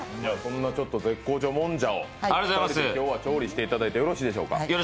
絶好調もんじゃを調理していただいてよろしいでしょうか。